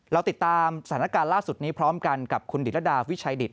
เราติดตามสถานการณ์ล่าสุดนี้พร้อมกันกับคุณดิตรดาวิชัยดิต